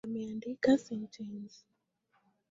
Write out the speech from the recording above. Ameandika sentensi